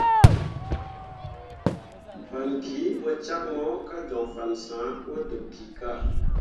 Fan ki mo cak mo ka joŋ fan sãh wol dǝb kika.